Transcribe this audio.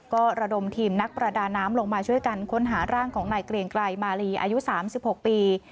ก็ระดมทีมนักประดาน้ำลงมาช่วยกันค้นหาร่างของนายเกรียงไกรมาลีอายุ๓๖ปี